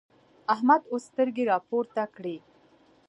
احمد اوس سترګې راپورته کړې.